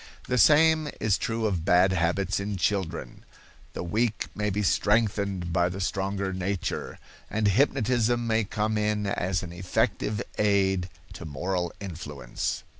The same is true of bad habits in children. The weak may be strengthened by the stronger nature, and hypnotism may come in as an effective aid to moral influence.